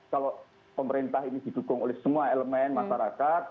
kalau pemerintah ini didukung oleh semua elemen masyarakat